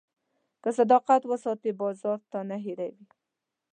که صداقت وساتې، بازار تا نه هېروي.